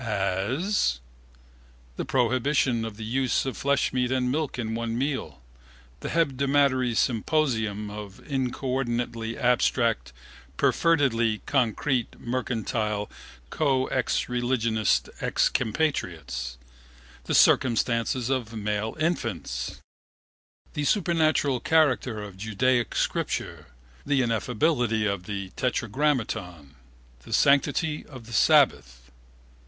As? The prohibition of the use of fleshmeat and milk at one meal: the hebdomadary symposium of incoordinately abstract, perfervidly concrete mercantile coexreligionist excompatriots: the circumcision of male infants: the supernatural character of Judaic scripture: the ineffability of the tetragrammaton: the sanctity of the sabbath.